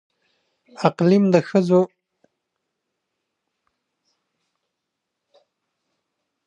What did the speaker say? اقلیم د افغان ښځو په ژوند کې رول لري.